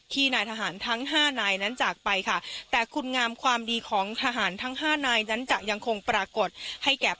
ที่นายทหารทั้ง๕นายนั้นจากไปค่ะ